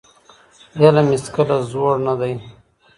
علم هيڅکله زوړ نه دی.